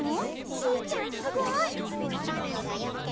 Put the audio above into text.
シーちゃんすごい。